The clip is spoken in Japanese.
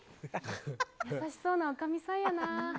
優しそうな、おかみさんやな。